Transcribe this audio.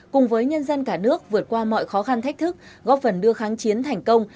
cùng với nhân dân cả nước vượt qua mọi khó khăn thách thức góp phần đưa kháng chiến thành công